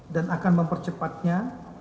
dan akan mempercepatnya